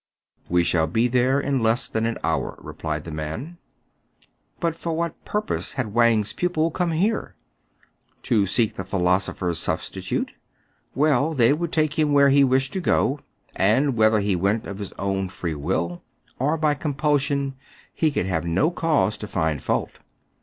" We shall be there in less than an hour," replied the man. But for what purpose had Wang's pupil come here } To seek the philosopher's substitute } Well, they would take him where he wished to go ; and, whether he went of his own free will or by compulsion, he could have no cause to find fault.